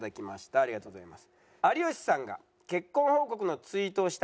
ありがとうございます。